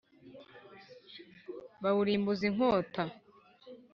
bawurimbuza inkota,